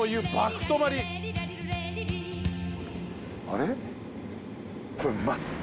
あれ？